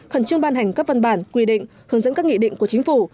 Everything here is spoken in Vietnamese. khẩn trương ban hành các văn bản quy định hướng dẫn các nghị định của chính phủ